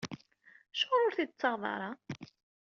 Acuɣer ur t-id-tettaɣeḍ ara?